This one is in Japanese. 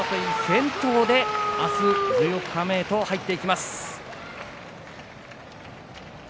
先頭で明日十四日目と入っていきます。